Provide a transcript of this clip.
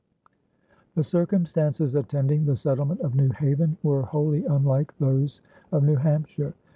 The circumstances attending the settlement of New Haven were wholly unlike those of New Hampshire.